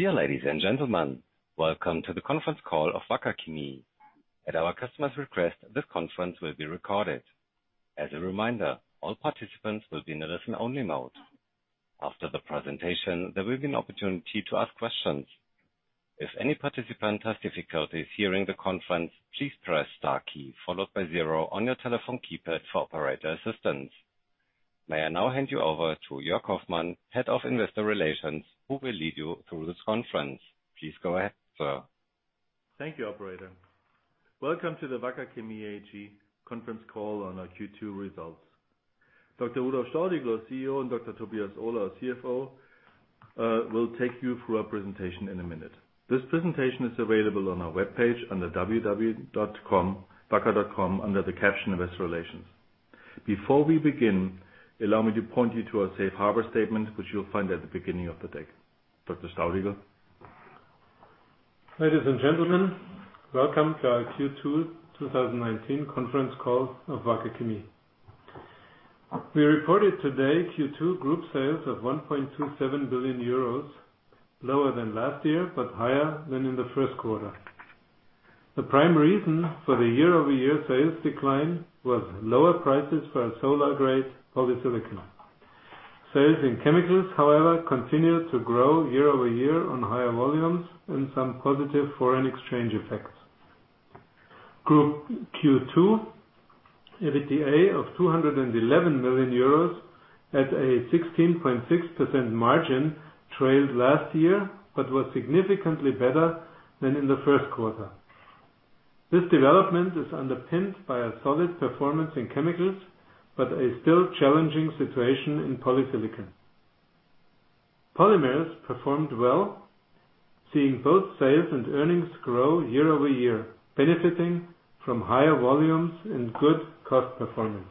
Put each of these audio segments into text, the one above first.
Dear ladies and gentlemen, welcome to the conference call of Wacker Chemie. At our customer's request, this conference will be recorded. As a reminder, all participants will be in a listen-only mode. After the presentation, there will be an opportunity to ask questions. If any participant has difficulties hearing the conference, please press * key followed by zero on your telephone keypad for operator assistance. May I now hand you over to Jörg Hoffmann, Head of Investor Relations, who will lead you through this conference. Please go ahead, sir. Thank you, operator. Welcome to the Wacker Chemie AG conference call on our Q2 results. Dr. Rudolf Staudigl, CEO, and Dr. Tobias Ohler, our CFO, will take you through our presentation in a minute. This presentation is available on our webpage under www.wacker.com under the caption Investor Relations. Before we begin, allow me to point you to our safe harbor statement, which you'll find at the beginning of the deck. Dr. Staudigl. Ladies and gentlemen, welcome to our Q2 2019 conference call of Wacker Chemie. We reported today Q2 group sales of 1.27 billion euros, lower than last year but higher than in the first quarter. The prime reason for the year-over-year sales decline was lower prices for our solar-grade polysilicon. Sales in chemicals, however, continued to grow year-over-year on higher volumes and some positive foreign exchange effects. Group Q2 EBITDA of 211 million euros at a 16.6% margin trailed last year, but was significantly better than in the first quarter. This development is underpinned by a solid performance in chemicals, but a still challenging situation in polysilicon. Polymers performed well, seeing both sales and earnings grow year-over-year, benefiting from higher volumes and good cost performance.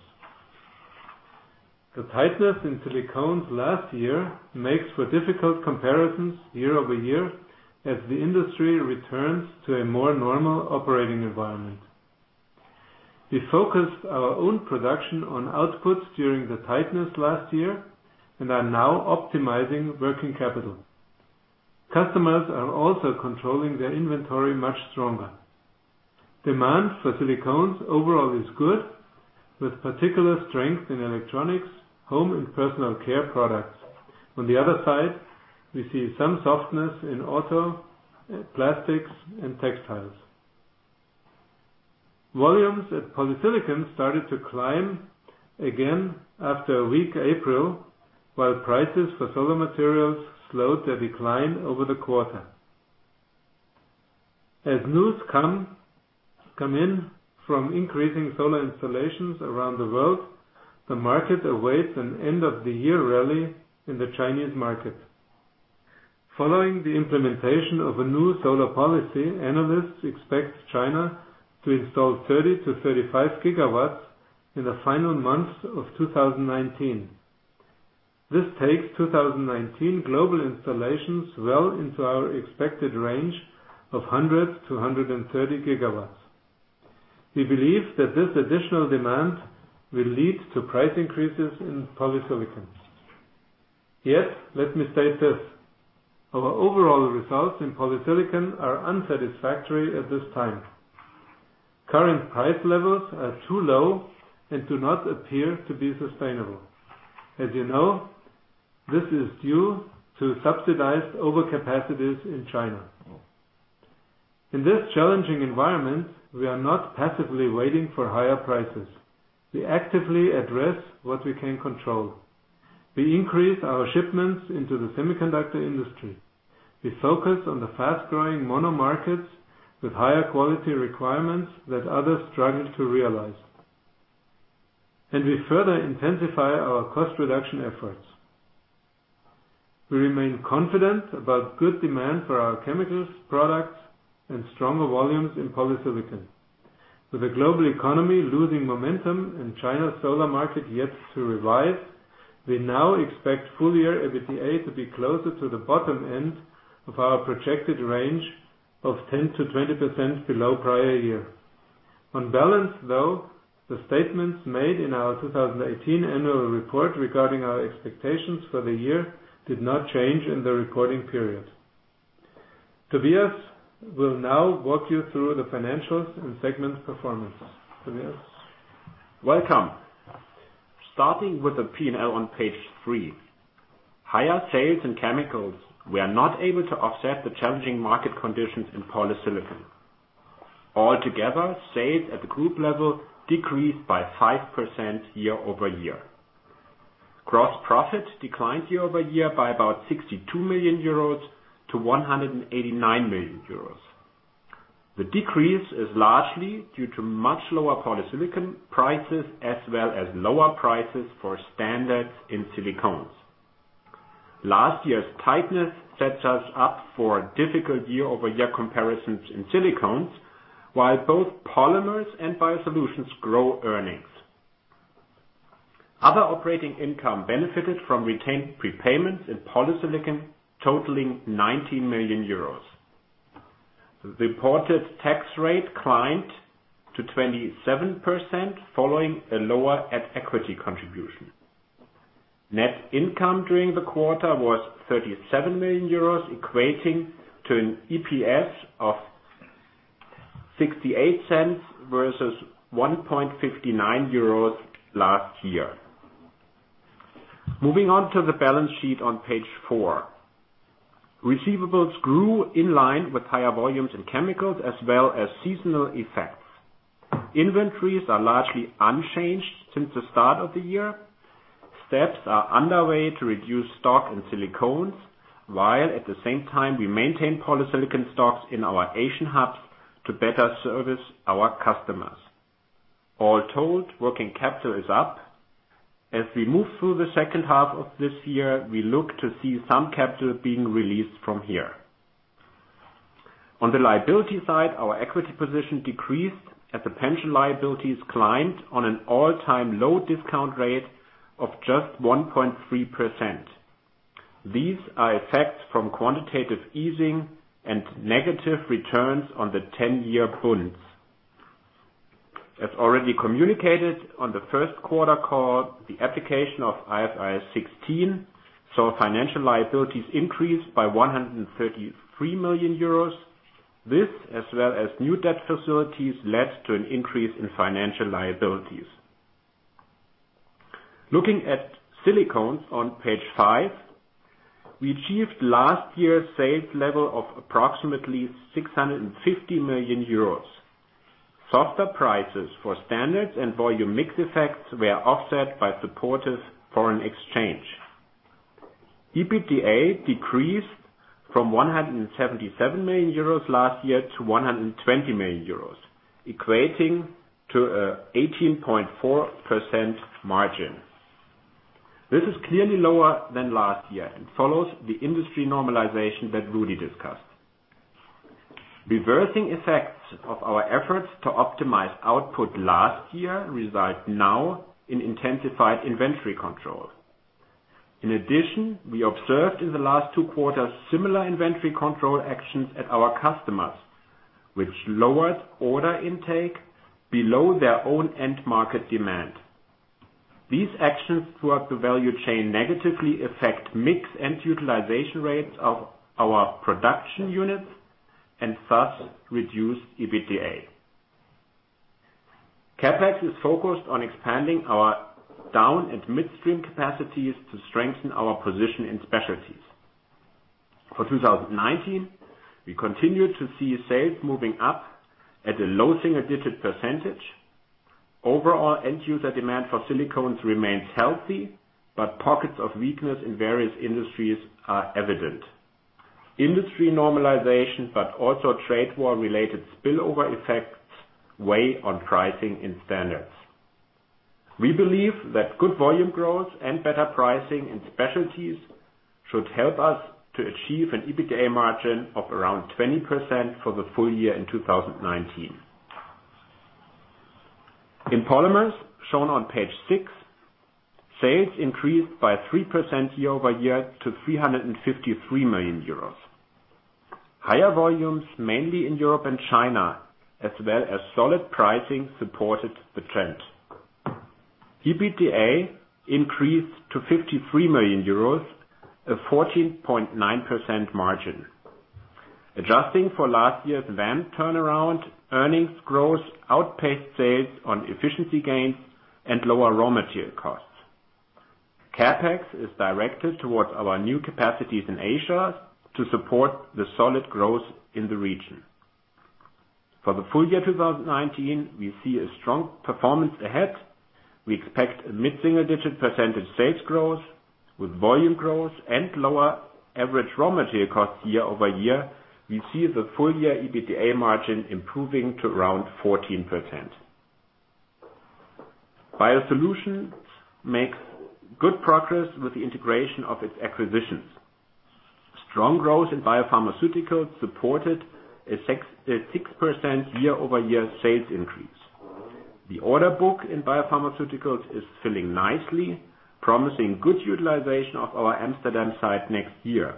The tightness in Silicones last year makes for difficult comparisons year-over-year as the industry returns to a more normal operating environment. We focused our own production on outputs during the tightness last year and are now optimizing working capital. Customers are also controlling their inventory much stronger. Demand for silicones overall is good, with particular strength in electronics, home and personal care products. On the other side, we see some softness in auto, plastics, and textiles. Volumes at polysilicon started to climb again after a weak April, while prices for solar materials slowed their decline over the quarter. As news come in from increasing solar installations around the world, the market awaits an end of the year rally in the Chinese market. Following the implementation of a new solar policy, analysts expect China to install 30-35 gigawatts in the final months of 2019. This takes 2019 global installations well into our expected range of 100-130 gigawatts. We believe that this additional demand will lead to price increases in polysilicon. Yet, let me state this, our overall results in polysilicon are unsatisfactory at this time. Current price levels are too low and do not appear to be sustainable. As you know, this is due to subsidized overcapacities in China. In this challenging environment, we are not passively waiting for higher prices. We actively address what we can control. We increase our shipments into the semiconductor industry. We focus on the fast-growing mono markets with higher quality requirements that others struggle to realize. We further intensify our cost reduction efforts. We remain confident about good demand for our chemicals products and stronger volumes in polysilicon. With the global economy losing momentum and China's solar market yet to revive, we now expect full-year EBITDA to be closer to the bottom end of our projected range of 10%-20% below prior year. On balance, though, the statements made in our 2018 annual report regarding our expectations for the year did not change in the reporting period. Tobias will now walk you through the financials and segment performance. Tobias. Welcome. Starting with the P&L on page three. Higher sales in chemicals were not able to offset the challenging market conditions in polysilicon. Altogether, sales at the group level decreased by 5% year-over-year. Gross profit declined year-over-year by about 62 million euros to 189 million euros. The decrease is largely due to much lower polysilicon prices as well as lower prices for standards in silicones. Last year's tightness sets us up for difficult year-over-year comparisons in silicones, while both polymers and biosolutions grow earnings. Other operating income benefited from retained prepayments in polysilicon totaling 19 million euros. The reported tax rate climbed to 27%, following a lower at equity contribution. Net income during the quarter was 37 million euros, equating to an EPS of 0.68 versus 1.59 euros last year. Moving on to the balance sheet on page four. Receivables grew in line with higher volumes in chemicals as well as seasonal effects. Inventories are largely unchanged since the start of the year. Steps are underway to reduce stock in Silicones, while at the same time, we maintain polysilicon stocks in our Asian hubs to better service our customers. All told, working capital is up. As we move through the second half of this year, we look to see some capital being released from here. On the liability side, our equity position decreased as the pension liabilities climbed on an all-time low discount rate of just 1.3%. These are effects from quantitative easing and negative returns on the 10-year Bunds. As already communicated on the first quarter call, the application of IFRS 16, saw financial liabilities increased by €133 million. This, as well as new debt facilities, led to an increase in financial liabilities. Looking at Silicones on page five, we achieved last year's sales level of approximately €650 million. Softer prices for standards and volume mix effects were offset by supportive foreign exchange. EBITDA decreased from 177 million euros last year to 120 million euros, equating to a 18.4% margin. This is clearly lower than last year and follows the industry normalization that Rudi discussed. Reversing effects of our efforts to optimize output last year reside now in intensified inventory control. In addition, we observed in the last two quarters, similar inventory control actions at our customers, which lowered order intake below their own end market demand. These actions throughout the value chain negatively affect mix and utilization rates of our production units and thus reduce EBITDA. CapEx is focused on expanding our down and midstream capacities to strengthen our position in specialties. For 2019, we continue to see sales moving up at a low single-digit percentage. Overall end user demand for silicones remains healthy, but pockets of weakness in various industries are evident. Industry normalization, but also trade war-related spillover effects weigh on pricing in standards. We believe that good volume growth and better pricing in specialties should help us to achieve an EBITDA margin of around 20% for the full year in 2019. In Polymers shown on page six, sales increased by 3% year over year to €353 million. Higher volumes mainly in Europe and China, as well as solid pricing supported the trend. EBITDA increased to €53 million, a 14.9% margin. Adjusting for last year's VAM turnaround, earnings growth outpaced sales on efficiency gains and lower raw material costs. CapEx is directed towards our new capacities in Asia to support the solid growth in the region. For the full year 2019, we see a strong performance ahead. We expect a mid-single digit % sales growth with volume growth and lower average raw material costs year-over-year. We see the full year EBITDA margin improving to around 14%. biosolutions makes good progress with the integration of its acquisitions. Strong growth in biopharmaceuticals supported a 6% year-over-year sales increase. The order book in biopharmaceuticals is filling nicely, promising good utilization of our Amsterdam site next year.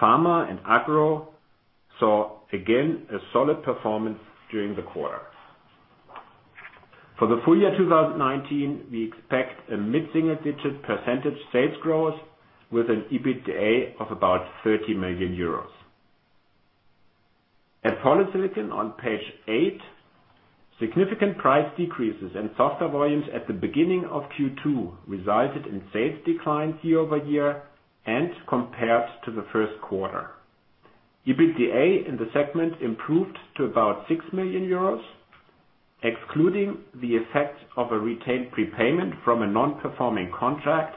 Pharma and agro saw again a solid performance during the quarter. For the full year 2019, we expect a mid-single digit % sales growth with an EBITDA of about €30 million. At polysilicon on page eight, significant price decreases and softer volumes at the beginning of Q2 resulted in sales declines year-over-year and compared to the first quarter. EBITDA in the segment improved to about 6 million euros, excluding the effect of a retained prepayment from a non-performing contract,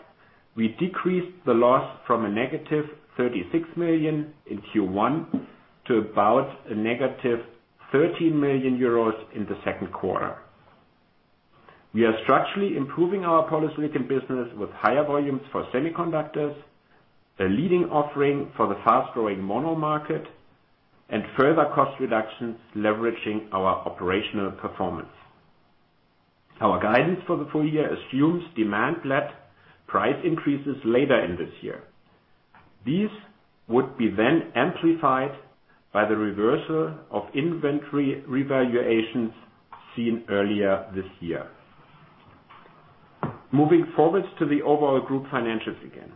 we decreased the loss from a negative 36 million in Q1 to about a negative 13 million euros in the second quarter. We are structurally improving our polysilicon business with higher volumes for semiconductors, a leading offering for the fast-growing mono market, and further cost reductions leveraging our operational performance. Our guidance for the full year assumes demand-led price increases later in this year. These would be then amplified by the reversal of inventory revaluations seen earlier this year. Moving forwards to the overall group financials again.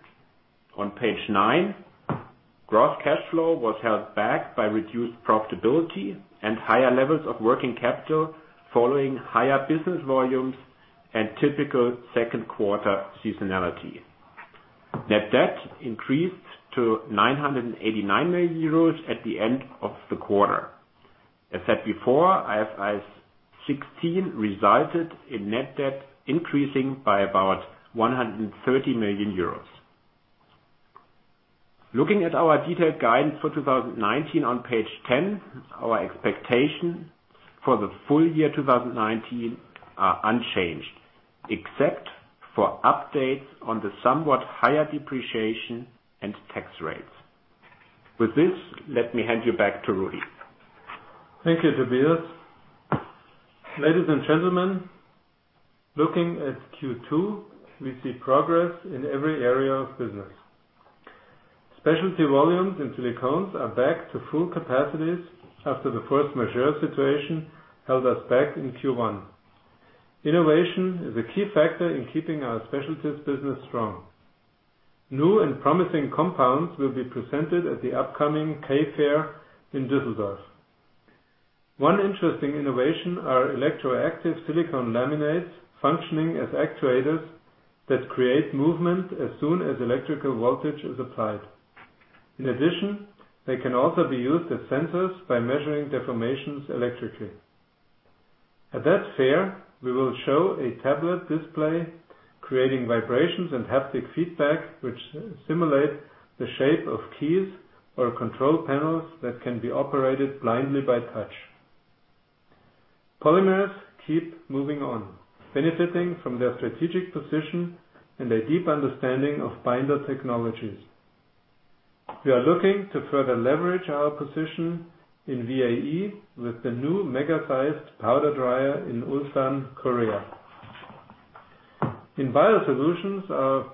On page nine, gross cash flow was held back by reduced profitability and higher levels of working capital following higher business volumes and typical second quarter seasonality. Net debt increased to 989 million euros at the end of the quarter. As said before, IFRS 16 resulted in net debt increasing by about 130 million euros. Looking at our detailed guidance for 2019 on page 10, our expectation for the full year 2019 are unchanged, except for updates on the somewhat higher depreciation and tax rates. With this, let me hand you back to Rudi. Thank you, Tobias. Ladies and gentlemen, looking at Q2, we see progress in every area of business. Specialty volumes in silicones are back to full capacities after the first force majeure held us back in Q1. Innovation is a key factor in keeping our specialties business strong. New and promising compounds will be presented at the upcoming K Fair in Düsseldorf. One interesting innovation are electroactive silicone laminates functioning as actuators that create movement as soon as electrical voltage is applied. In addition, they can also be used as sensors by measuring deformations electrically. At that fair, we will show a tablet display creating vibrations and haptic feedback, which simulate the shape of keys or control panels that can be operated blindly by touch. Polymers keep moving on, benefiting from their strategic position and a deep understanding of binder technologies. We are looking to further leverage our position in VAE with the new mega-sized powder dryer in Ulsan, Korea. In Biosolutions, our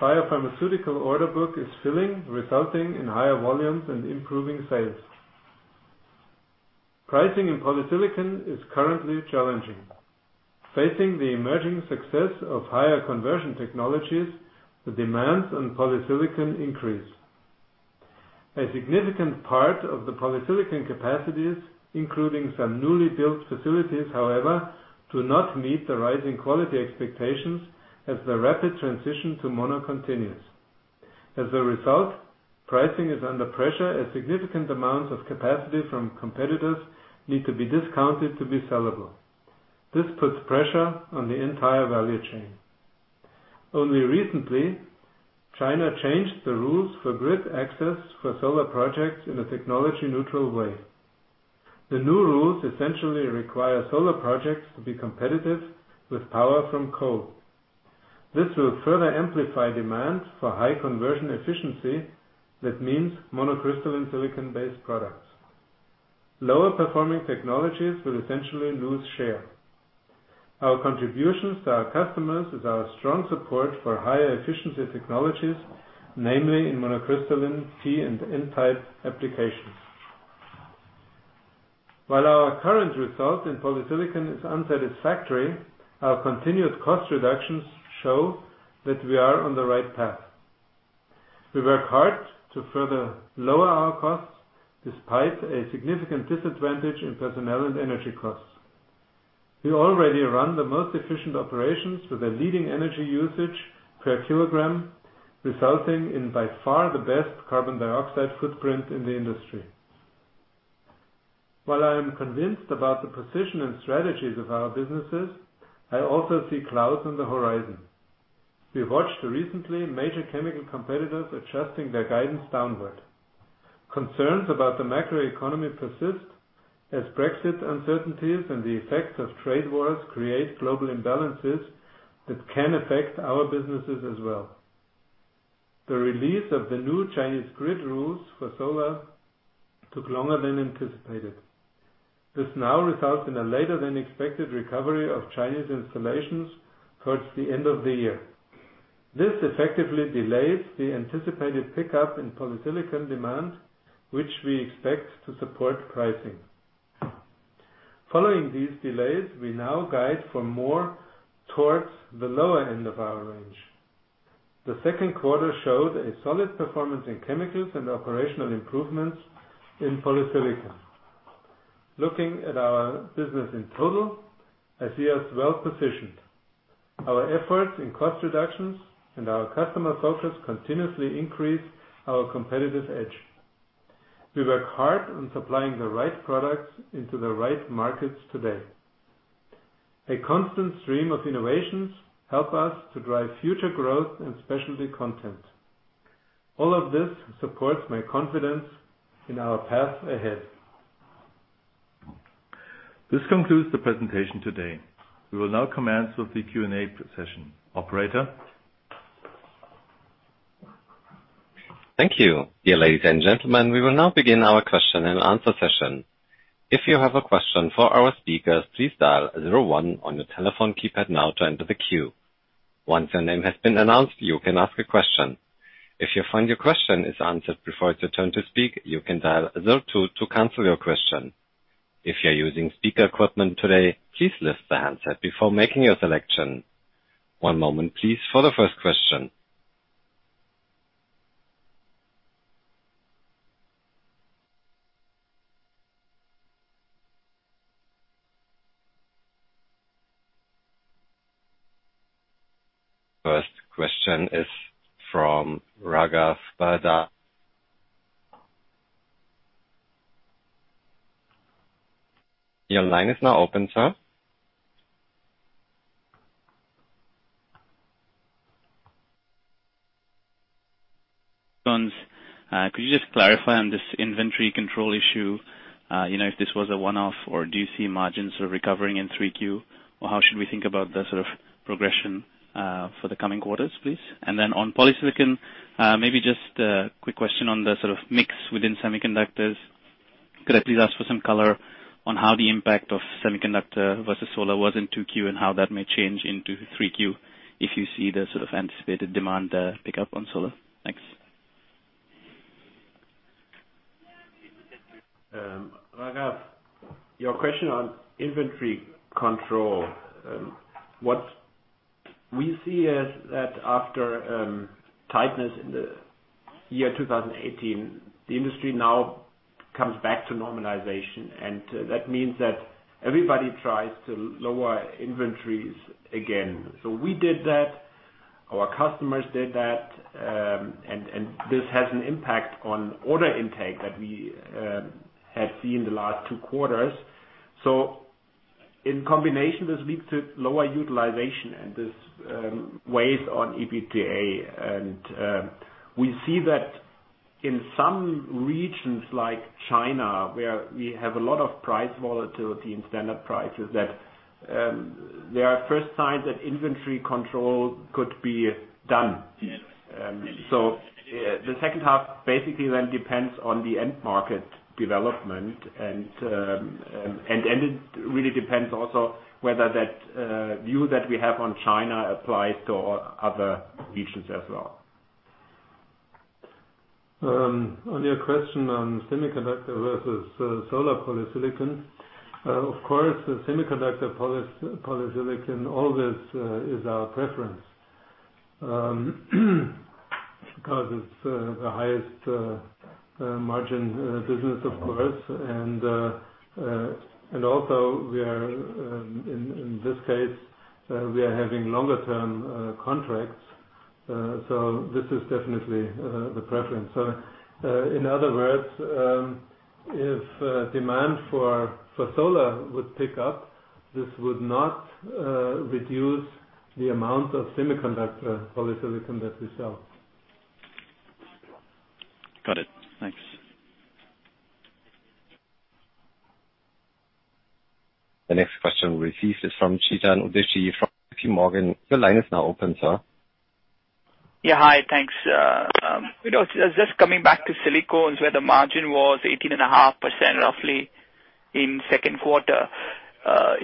biopharmaceutical order book is filling, resulting in higher volumes and improving sales. Pricing in polysilicon is currently challenging. Facing the emerging success of higher conversion technologies, the demands on polysilicon increase. A significant part of the polysilicon capacities, including some newly built facilities, however, do not meet the rising quality expectations as the rapid transition to mono continues. As a result, pricing is under pressure as significant amounts of capacity from competitors need to be discounted to be sellable. This puts pressure on the entire value chain. Only recently, China changed the rules for grid access for solar projects in a technology-neutral way. The new rules essentially require solar projects to be competitive with power from coal. This will further amplify demand for high conversion efficiency. That means monocrystalline silicon-based products. Lower performing technologies will essentially lose share. Our contributions to our customers is our strong support for higher efficiency technologies, namely in monocrystalline P and N-type applications. While our current result in polysilicon is unsatisfactory, our continued cost reductions show that we are on the right path. We work hard to further lower our costs, despite a significant disadvantage in personnel and energy costs. We already run the most efficient operations with a leading energy usage per kilogram, resulting in by far the best carbon dioxide footprint in the industry. While I am convinced about the position and strategies of our businesses, I also see clouds on the horizon. We watched recently major chemical competitors adjusting their guidance downward. Concerns about the macroeconomy persist as Brexit uncertainties and the effects of trade wars create global imbalances that can affect our businesses as well. The release of the new Chinese grid rules for solar took longer than anticipated. This now results in a later than expected recovery of Chinese installations towards the end of the year. This effectively delays the anticipated pickup in polysilicon demand, which we expect to support pricing. Following these delays, we now guide for more towards the lower end of our range. The second quarter showed a solid performance in chemicals and operational improvements in polysilicon. Looking at our business in total, I see us well-positioned. Our efforts in cost reductions and our customer focus continuously increase our competitive edge. We work hard on supplying the right products into the right markets today. A constant stream of innovations help us to drive future growth and specialty content. All of this supports my confidence in our path ahead. This concludes the presentation today. We will now commence with the Q&A session. Operator. Thank you. Dear ladies and gentlemen, we will now begin our question and answer session. If you have a question for our speakers, please dial zero one on your telephone keypad now to enter the queue. Once your name has been announced, you can ask a question. If you find your question is answered before it's your turn to speak, you can dial zero two to cancel your question. If you're using speaker equipment today, please lift the handset before making your selection. One moment please, for the first question. First question is from [Raghav Dada]. Your line is now open, sir. Could you just clarify on this inventory control issue, if this was a one-off, or do you see margins sort of recovering in 3Q? How should we think about the progression for the coming quarters, please? On polysilicon, maybe just a quick question on the sort of mix within semiconductors. Could I please ask for some color on how the impact of semiconductor versus solar was in 2Q and how that may change into 3Q if you see the sort of anticipated demand pickup on solar? Thanks. Raghav, your question on inventory control. What we see is that after tightness in the year 2018, the industry now comes back to normalization, and that means that everybody tries to lower inventories again. We did that, our customers did that. This has an impact on order intake that we have seen the last two quarters. In combination, this leads to lower utilization and this weighs on EBITDA. We see that in some regions like China, where we have a lot of price volatility in standard prices, that there are first signs that inventory control could be done. The second half basically then depends on the end market development and it really depends also whether that view that we have on China applies to other regions as well. On your question on semiconductor versus solar polysilicon. Of course, the semiconductor polysilicon, always is our preference, because it's the highest margin business, of course. Also, in this case, we are having longer term contracts. This is definitely the preference. In other words, if demand for solar would pick up, this would not reduce the amount of semiconductor polysilicon that we sell. Got it. Thanks. The next question we received is from Chetan Udeshi from JPMorgan. Your line is now open, sir. Hi, thanks. Just coming back to silicones, where the margin was 18.5% roughly in second quarter.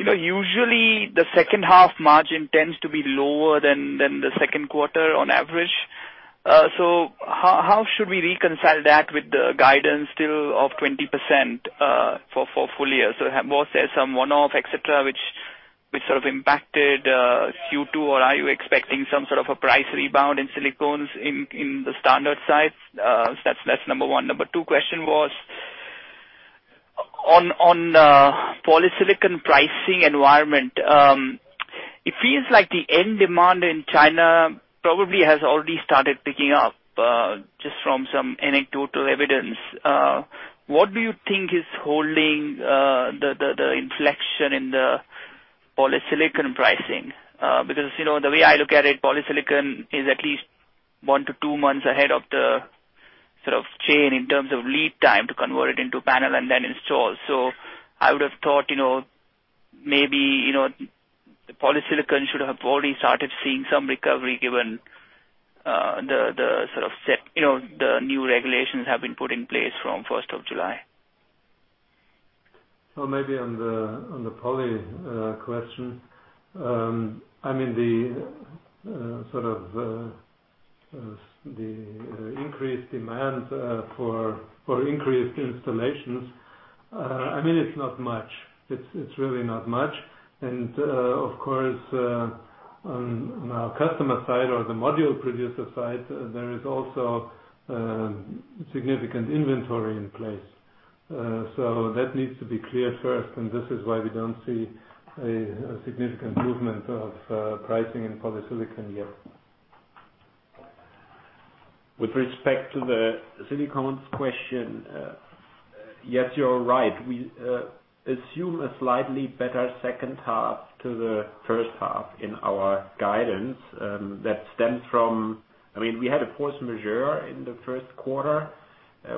Usually the second half margin tends to be lower than the second quarter on average. How should we reconcile that with the guidance still of 20% for full year? Was there some one-off, et cetera, which sort of impacted Q2, or are you expecting some sort of a price rebound in silicones in the standard side? That's number one. Number two question was on polysilicon pricing environment. It feels like the end demand in China probably has already started picking up, just from some anecdotal evidence. What do you think is holding the inflection in the polysilicon pricing? The way I look at it, polysilicon is at least one to two months ahead of the chain in terms of lead time to convert it into panel and then install. I would have thought, maybe, the polysilicon should have already started seeing some recovery given the new regulations have been put in place from first of July. Maybe on the poly question. The increased demand for increased installations. It's not much. It's really not much. Of course, on our customer side or the module producer side, there is also significant inventory in place. That needs to be clear first, and this is why we don't see a significant movement of pricing in polysilicon yet. With respect to the silicones question. Yes, you're right. We assume a slightly better second half to the first half in our guidance. We had a force majeure in the first quarter.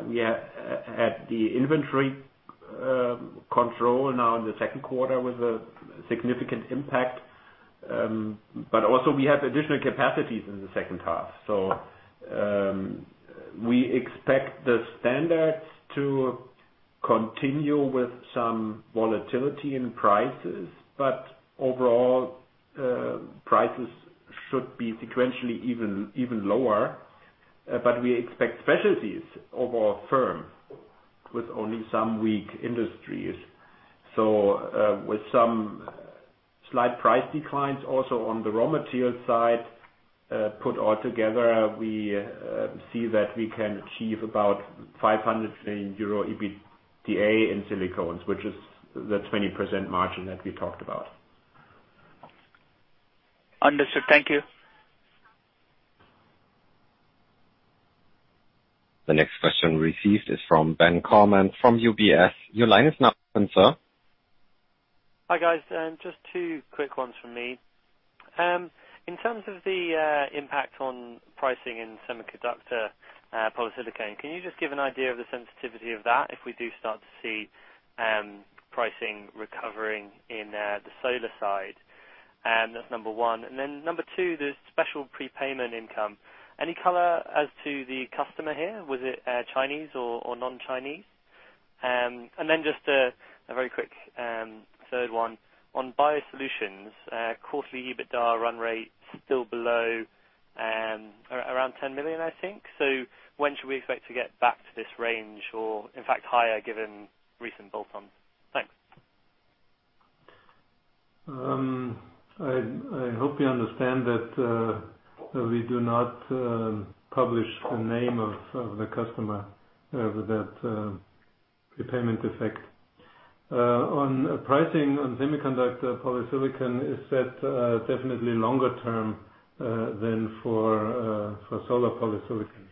We had the inventory control now in the second quarter with a significant impact. We also have additional capacities in the second half. We expect the standards to continue with some volatility in prices. Overall, prices should be sequentially even lower. We expect specialties overall firm with only some weak industries. With some slight price declines also on the raw material side. Put all together, we see that we can achieve about 500 million euro EBITDA in silicones, which is the 20% margin that we talked about. Understood. Thank you. The next question received is from Ben Carmen from UBS. Your line is now open, sir. Hi, guys. Just two quick ones from me. In terms of the impact on pricing in semiconductor polysilicon, can you just give an idea of the sensitivity of that if we do start to see pricing recovering in the solar side? That's number one. Number 2, the special prepayment income. Any color as to the customer here, was it Chinese or non-Chinese? Just a very quick third one. On biosolutions, quarterly EBITDA run rate still below around 10 million, I think. When should we expect to get back to this range or in fact higher given recent bolt-ons? Thanks. I hope you understand that we do not publish the name of the customer with that prepayment effect. On pricing on semiconductor polysilicon is set definitely longer term than for solar polysilicon.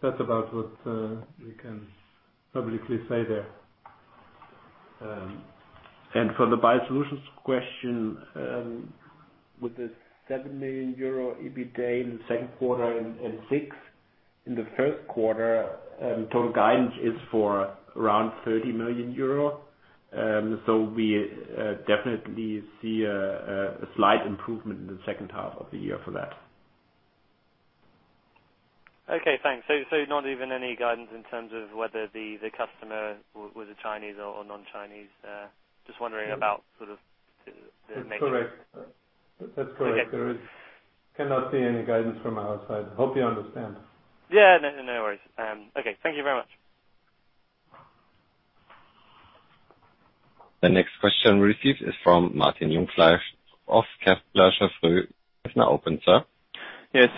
That's about what we can publicly say there. For the biosolutions question, with the 7 million euro EBITDA in the second quarter and 6 million in the first quarter, total guidance is for around 30 million euro. We definitely see a slight improvement in the second half of the year for that. Okay, thanks. Not even any guidance in terms of whether the customer, was it Chinese or non-Chinese? That's correct. There is cannot be any guidance from our side. Hope you understand. Yeah, no worries. Okay. Thank you very much. The next question received is from Martin Jungfleisch of Kepler Cheuvreux. Is now open, sir. Yes.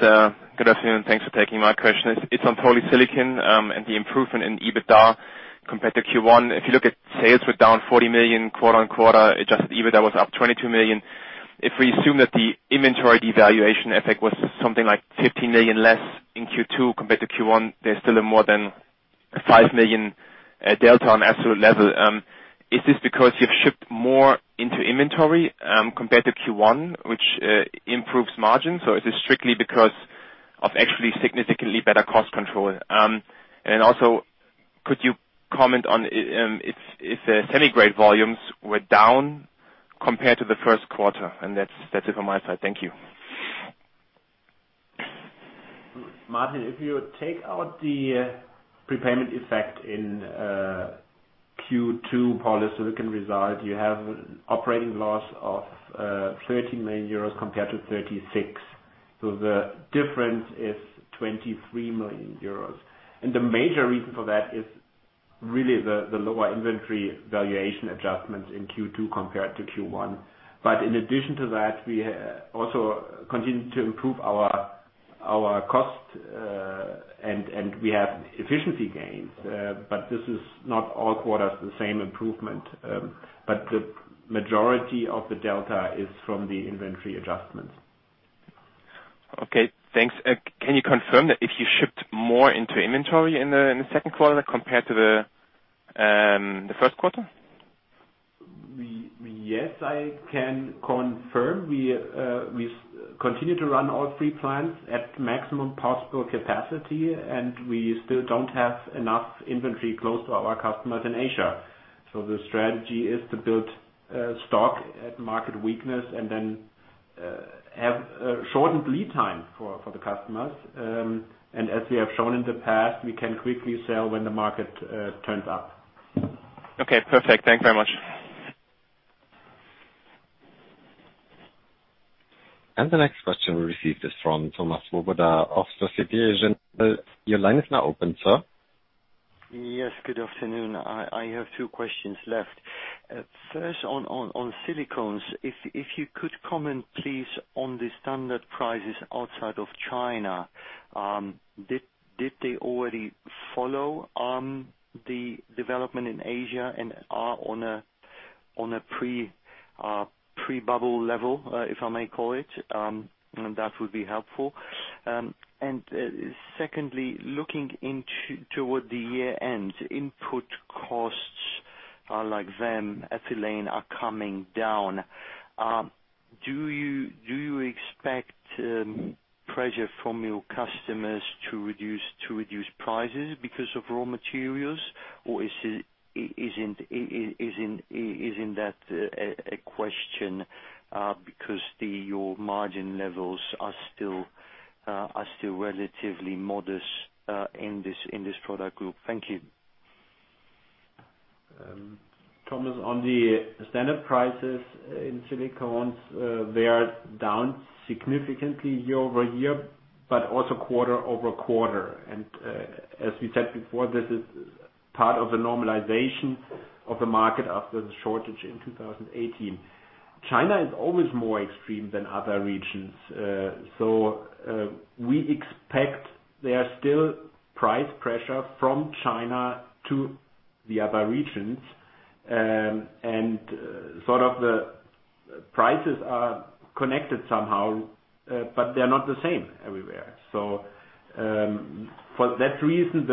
Good afternoon, and thanks for taking my question. It is on polysilicon, the improvement in EBITDA compared to Q1. If you look at sales were down 40 million quarter-over-quarter, adjusted EBITDA was up 22 million. If we assume that the inventory devaluation effect was something like 15 million less in Q2 compared to Q1, there is still a more than 5 million delta on absolute level. Is this because you have shipped more into inventory, compared to Q1, which improves margins? Is this strictly because of actually significantly better cost control? Also could you comment on if the semiconductor-grade volumes were down compared to the first quarter? That is it from my side. Thank you. Martin, if you take out the prepayment effect in Q2 polysilicon result, you have operating loss of 30 million euros compared to 36 million. The difference is 23 million euros. The major reason for that is really the lower inventory valuation adjustments in Q2 compared to Q1. In addition to that, we also continue to improve our cost, and we have efficiency gains. This is not all quarters the same improvement. The majority of the delta is from the inventory adjustments. Okay, thanks. Can you confirm that if you shipped more into inventory in the second quarter compared to the first quarter? Yes, I can confirm. We continue to run all three plants at maximum possible capacity, and we still don't have enough inventory close to our customers in Asia. The strategy is to build stock at market weakness and then have a shortened lead time for the customers. As we have shown in the past, we can quickly sell when the market turns up. Okay, perfect. Thanks very much. The next question we received is from Thomas Swoboda of Societe Generale. Your line is now open, sir. Yes, good afternoon. I have two questions left. First, on silicones. If you could comment, please, on the standard prices outside of China. Did they already follow on the development in Asia and are on a pre-bubble level, if I may call it? That would be helpful. Secondly, looking toward the year-end, input costs like VAM, ethylene are coming down. Do you expect pressure from your customers to reduce prices because of raw materials? Isn't that a question, because your margin levels are still relatively modest in this product group? Thank you. Thomas, on the standard prices in silicones, they are down significantly year-over-year, but also quarter-over-quarter. As we said before, this is part of the normalization of the market after the shortage in 2018. China is always more extreme than other regions. We expect there is still price pressure from China to the other regions. The prices are connected somehow, but they're not the same everywhere. For that reason,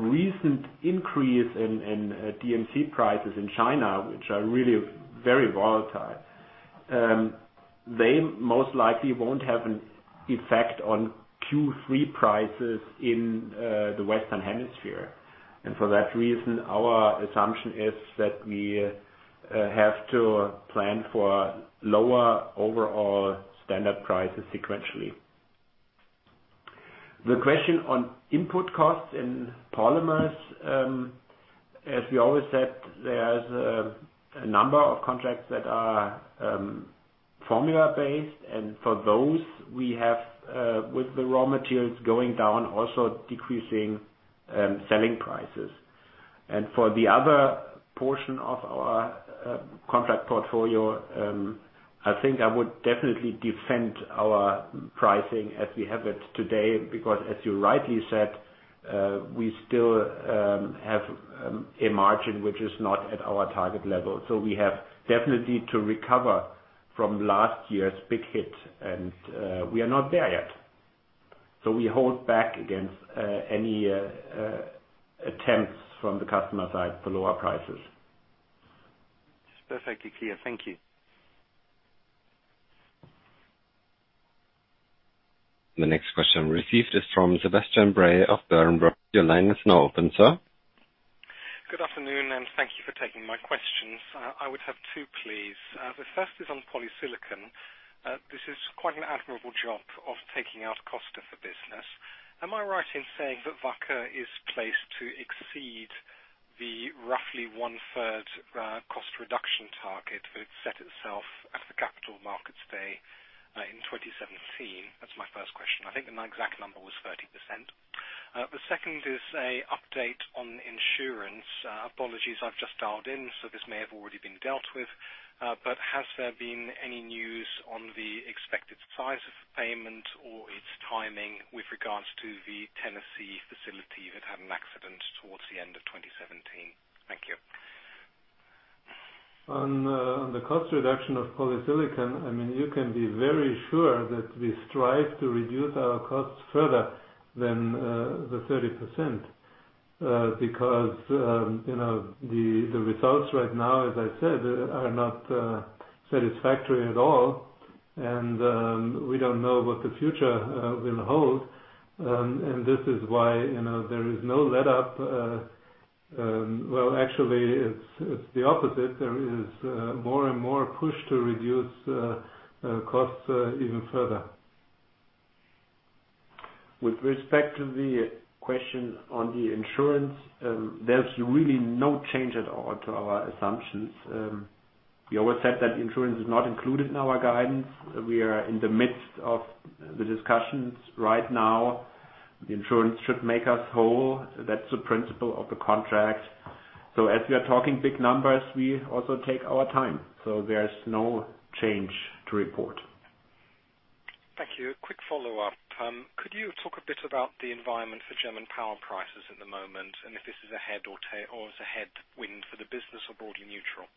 the recent increase in DMC prices in China, which are really very volatile, they most likely won't have an effect on Q3 prices in the Western Hemisphere. For that reason, our assumption is that we have to plan for lower overall standard prices sequentially. The question on input costs in polymers, as we always said, there's a number of contracts that are formula-based. For those, we have, with the raw materials going down, also decreasing selling prices. For the other portion of our contract portfolio, I think I would definitely defend our pricing as we have it today, because as you rightly said, we still have a margin, which is not at our target level. We have definitely to recover from last year's big hit, and we are not there yet. We hold back against any attempts from the customer side for lower prices. It's perfectly clear. Thank you. The next question received is from Sebastian Bray of Berenberg. Your line is now open, sir. Good afternoon, and thank you for taking my questions. I would have two, please. The first is on polysilicon. This is quite an admirable job of taking out cost of the business. Am I right in saying that Wacker is placed to exceed the roughly one-third cost reduction target that it set itself at the Capital Markets Day, in 2017? That's my first question. I think the exact number was 30%. The second is a update on insurance. Apologies, I've just dialed in, so this may have already been dealt with. Has there been any news on the expected size of payment or its timing with regards to the Tennessee facility that had an accident towards the end of 2017? Thank you. On the cost reduction of polysilicon, you can be very sure that we strive to reduce our costs further than the 30%, because the results right now, as I said, are not satisfactory at all. We don't know what the future will hold. This is why there is no letup. Well, actually, it's the opposite. There is more and more push to reduce costs even further. With respect to the question on the insurance, there's really no change at all to our assumptions. We always said that insurance is not included in our guidance. We are in the midst of the discussions right now. The insurance should make us whole. That's the principle of the contract. As we are talking big numbers, we also take our time. There's no change to report. Thank you. Quick follow-up. Could you talk a bit about the environment for German power prices at the moment, and if this is a head wind for the business or broadly neutral?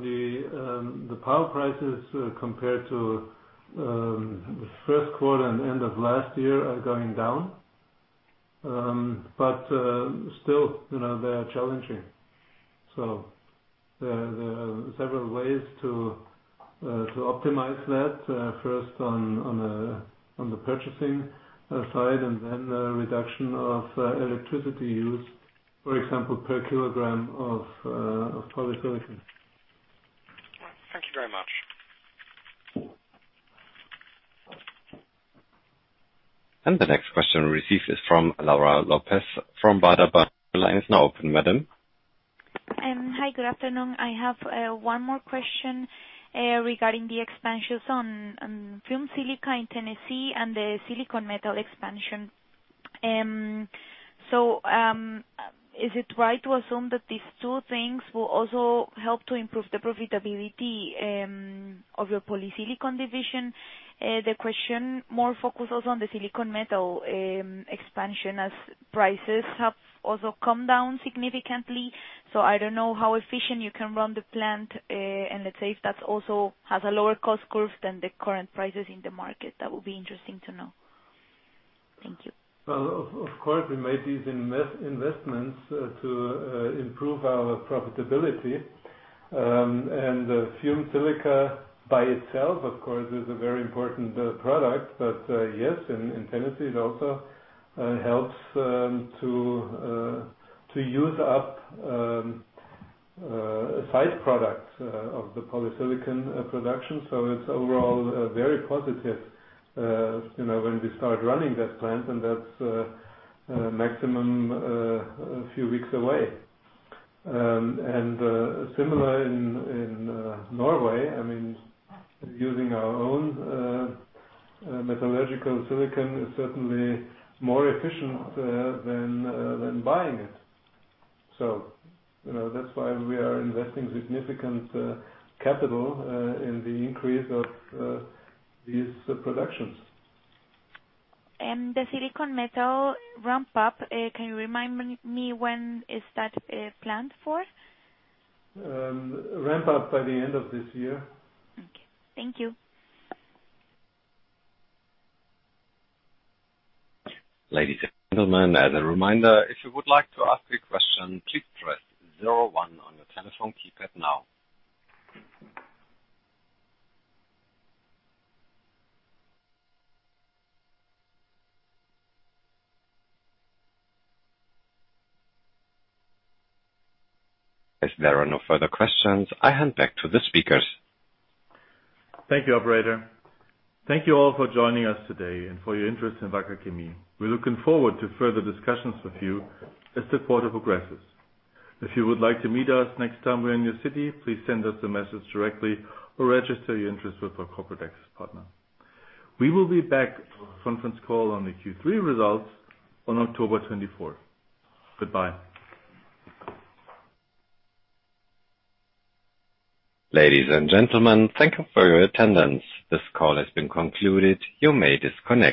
The power prices compared to the first quarter and end of last year are going down. Still, they are challenging. There are several ways to optimize that. First, on the purchasing side, and then the reduction of electricity use, for example, per kilogram of polysilicon. Thank you very much. The next question received is from Laura Lopez from Baader Bank. Your line is now open, madam. Hi, good afternoon. I have one more question regarding the expansions on fumed silica in Tennessee and the silicon metal expansion. Is it right to assume that these two things will also help to improve the profitability of your polysilicon division? The question more focuses on the silicon metal expansion, as prices have also come down significantly. I don't know how efficient you can run the plant and, let's say, if that also has a lower cost curve than the current prices in the market. That would be interesting to know. Well, of course, we made these investments to improve our profitability. Fumed silica by itself, of course, is a very important product. Yes, in Tennessee, it also helps to use up side products of the polysilicon production. It's overall very positive when we start running that plant, and that's maximum a few weeks away. Similar in Norway, using our own metallurgical-grade silicon is certainly more efficient than buying it. That's why we are investing significant capital in the increase of these productions. The silicon metal ramp-up, can you remind me when is that planned for? Ramp up by the end of this year. Okay. Thank you. Ladies and gentlemen, as a reminder, if you would like to ask a question, please press zero one on your telephone keypad now. If there are no further questions, I hand back to the speakers. Thank you, operator. Thank you all for joining us today and for your interest in Wacker Chemie. We're looking forward to further discussions with you as the quarter progresses. If you would like to meet us next time we're in your city, please send us a message directly or register your interest with our corporate access partner. We will be back for a conference call on the Q3 results on October 24th. Goodbye. Ladies and gentlemen, thank you for your attendance. This call has been concluded. You may disconnect.